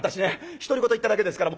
独り言言っただけですから。